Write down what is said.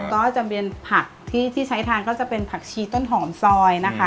ก็จะเป็นผักที่ใช้ทานก็จะเป็นผักชีต้นหอมซอยนะคะ